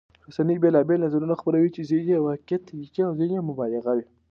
رسنۍ بېلابېل نظرونه خپروي چې ځینې یې واقعيت ته نږدې او ځینې مبالغه وي.